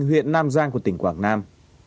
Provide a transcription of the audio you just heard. huyện nam giang của tỉnh quảng nam